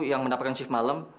yang mendapatkan shift malam